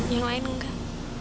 yang lain enggak